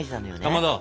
かまど。